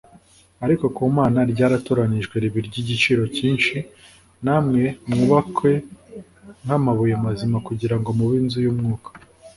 ariko ku mana ryaratoranijwe riba iry’igiciro cyinshi, namwe mwubakwe nk’amabuye mazima kugira ngo mube inzu y’umwuka,